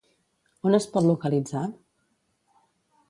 On es pot localitzar?